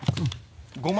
５万。